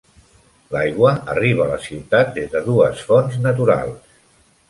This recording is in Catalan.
L'aigua arriba a la ciutat des de dues fonts naturals.